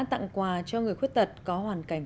tặng quà cho người khuyết tật có hoàn cảnh